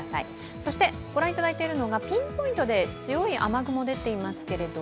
そして御覧いただいているのがピンポイントで強い雨雲出ていますが。